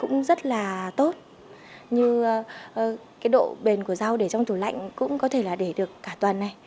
rau rất là tốt như độ bền của rau để trong tủ lạnh cũng có thể để được cả tuần này